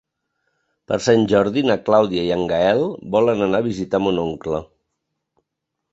Per Sant Jordi na Clàudia i en Gaël volen anar a visitar mon oncle.